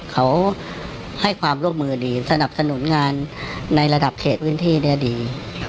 เขาให้ความร่วมมือดีสนับสนุนงานในระดับเขตพื้นที่เนี่ยดี